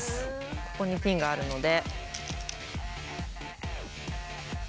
ここにピンがあるので。